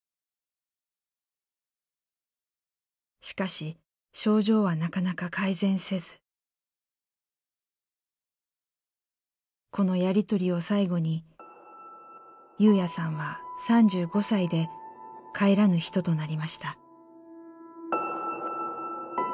しかし症状はなかなか改善せずこのやり取りを最後に優也さんは３５歳で帰らぬ人となりました。